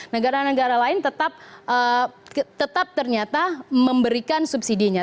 negara negara lain tetap ternyata memberikan subsidinya